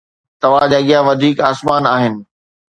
توهان جي اڳيان وڌيڪ آسمان آهن